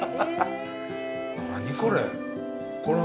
何これ。